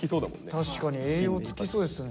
確かに栄養つきそうですよね。